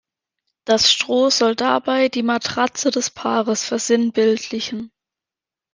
Das Stroh soll dabei die Matratze des Paares versinnbildlichen.